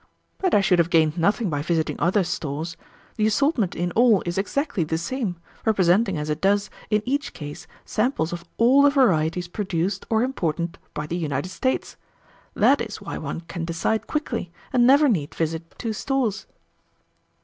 But I should have gained nothing by visiting other stores. The assortment in all is exactly the same, representing as it does in each case samples of all the varieties produced or imported by the United States. That is why one can decide quickly, and never need visit two stores."